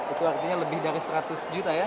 itu artinya lebih dari seratus juta ya